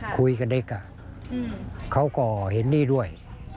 คุยกับเด็กอ่ะเขาก็เห็นด้วย